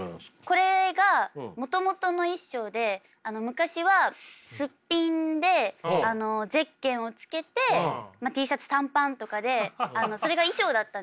これがもともとの衣装で昔はすっぴんでゼッケンをつけてＴシャツ短パンとかでそれが衣装だったんですよ。